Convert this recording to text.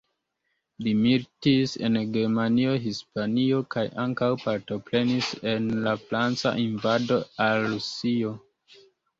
Li militis en Germanio, Hispanio kaj ankaŭ partoprenis en la Franca invado al Rusio.